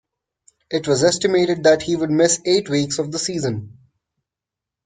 It was estimated that he would miss eight weeks of the season.